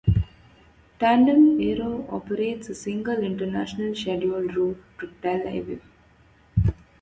Tandem Aero operates a single international scheduled route to Tel Aviv.